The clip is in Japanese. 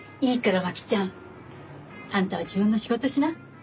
いいからマキちゃんあんたは自分の仕事しな。